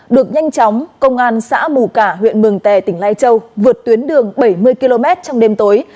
được nhanh chóng công an xã mù cả huyện mường tè tỉnh lai châu vượt tuyến đường bảy mươi km trong đêm tối